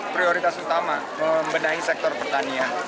prioritas utama membenahi sektor pertanian